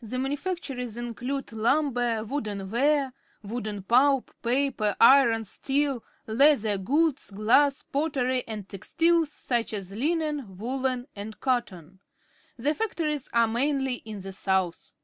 The manufactures include lumber, wooden w^are, wood pulp, paper, iron, steel, leather goods, glass, pottery, and textiles such as Unens, woollens, and cottons. The factories are mainly in the south.